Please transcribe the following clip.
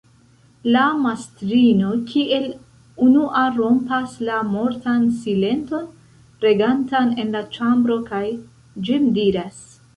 La mastrino kiel unua rompas la mortan silenton, regantan en la ĉambro kaj ĝemdiras: